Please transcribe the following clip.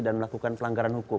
dan melakukan pelanggaran hukum